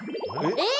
えっ！？